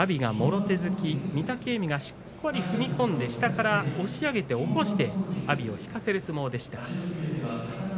阿炎がもろ手突き御嶽海がしっかりと踏み込んで下から押し上げて、起こして阿炎を引かせる相撲でした。